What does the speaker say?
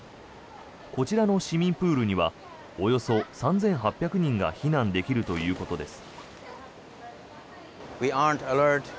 こちらの市民プールにはおよそ３８００人が避難できるということです。